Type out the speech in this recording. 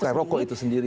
cukai rokok itu sendiri